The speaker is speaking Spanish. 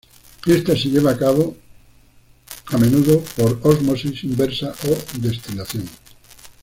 Ésta se lleva a cabo a menudo por ósmosis inversa o destilación.